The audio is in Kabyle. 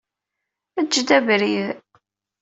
Eǧǧ-d abrid!